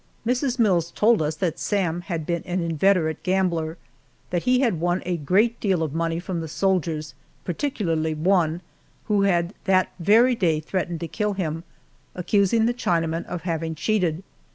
Mrs. Mills told us that Sam had been an inveterate gambler that he had won a great deal of money from the soldiers, particularly one, who had that very day threatened to kill him, accusing the Chinaman of having cheated.